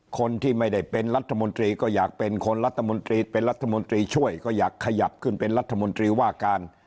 คนที่ไม่ได้เป็นรัฐมนตรีก็อยากเป็นคนรัฐมนตรีเป็นรัฐมนตรีช่วยก็อยากขยับขึ้นเป็นรัฐมนตรีว่าการ